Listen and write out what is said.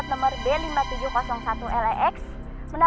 tidak mungkin kamu saya